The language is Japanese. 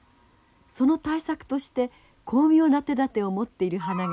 その対策として巧妙な手だてを持っている花があります。